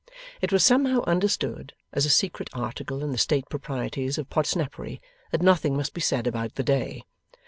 It was somehow understood, as a secret article in the state proprieties of Podsnappery that nothing must be said about the day.